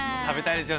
食べたい。